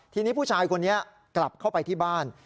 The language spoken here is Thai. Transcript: ทีนี้ผู้ชายคนนี้กลับเข้าไปที่บ้าน